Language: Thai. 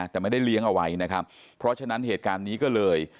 แต่ไม่ได้เลี้ยงเอาไว้นะครับเพราะฉะนั้นเหตุการณ์นี้ก็เลย